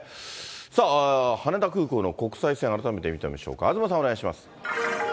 さあ、羽田空港の国際線、改めて見てみましょうか、東さん、お願いします。